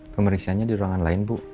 pemeriksaannya di ruangan lain bu